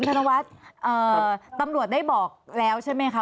ธนวัฒน์ตำรวจได้บอกแล้วใช่ไหมคะ